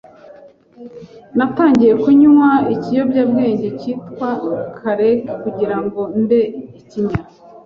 Natangiye kunywa ikiyobyabwenge cyitwa crack kugira ngo mbe ikinya